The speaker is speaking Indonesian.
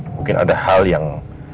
mungkin ada hal yang